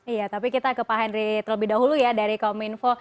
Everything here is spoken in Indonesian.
iya tapi kita ke pak henry terlebih dahulu ya dari kominfo